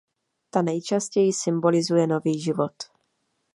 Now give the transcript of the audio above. Ta nejčastěji symbolizuje nový život.